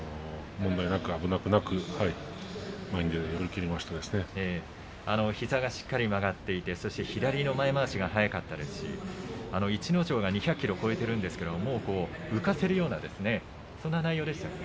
問題なく危なげなく前に出て膝がしっかり曲がっていて左の前まわしが速かったですし逸ノ城が２００ｋｇを超えているんですけど、浮かせるようなそんな内容でしたね。